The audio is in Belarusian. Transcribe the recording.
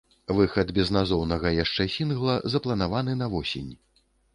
Выхад безназоўнага яшчэ сінгла запланаваны на восень.